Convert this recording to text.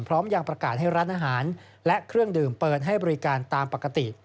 ประกาศให้รัฐอาหารและเครื่องดื่มเปิดให้บริการตามปกติ